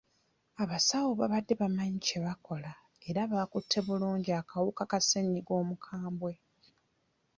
Abasawo babadde bamanyi kye bakola era bakutte bulungi akawuka ka ssennyiga omukambwe.